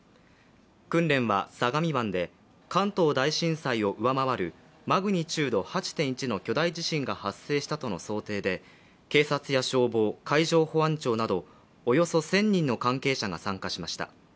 訓練は相模湾で、関東大震災を上回るマグニチュード８．１の巨大地震が発生したとの想定で警察や消防、海上保安庁などおよそ１０００人の関係者が参加しました。